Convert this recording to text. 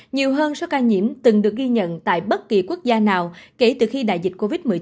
nhiều hơn số ca nhiễm từng được ghi nhận tại bất kỳ quốc gia nào kể từ khi đại dịch covid một mươi chín